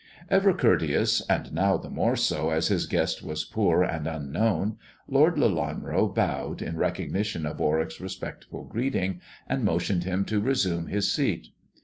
Ever courteous, and now the more so as his guest was poor and unknown. Lord Lelanro bowed in recognition of Warwick's respectful greeting, and motioned him to resume his seat.